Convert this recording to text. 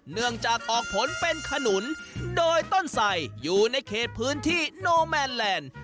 เนื่องจากออกผลเป็นขนุนโดยต้นไสอยู่ในเขตพื้นที่โนแมนแลนด์